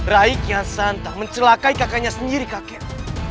rai kian santang mencelakai kakaknya sendiri kakek